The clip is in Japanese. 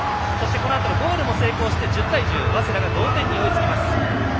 このあとのゴールも成功して１０対１０と早稲田、同点に追いつきます。